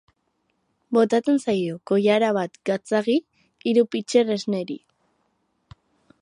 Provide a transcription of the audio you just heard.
Botatzen zaio koilara bat gatzagi hiru pitxer esneri.